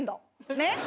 ねっ。